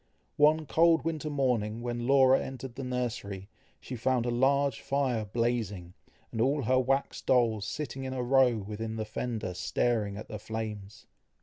One cold winter morning when Laura entered the nursery, she found a large fire blazing, and all her wax dolls sitting in a row within the fender staring at the flames.